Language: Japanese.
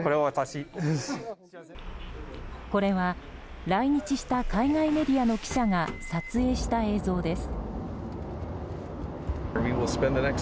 これは来日した海外メディアの記者が撮影した映像です。